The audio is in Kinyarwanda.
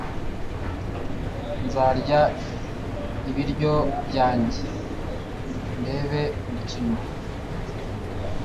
nzarya ibiryo byanjye ndebe umukino